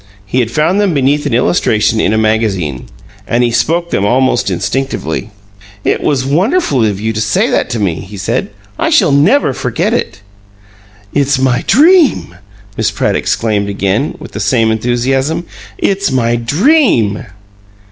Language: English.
He had found them beneath an illustration in a magazine, and he spoke them almost instinctively. "It was wonderful of you to say that to me," he said. "I shall never forget it!" "It's my DREAM!" Miss Pratt exclaimed, again, with the same enthusiasm. "It's my DREAM."